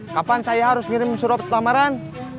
kapan saya harus ngirim surat lamaran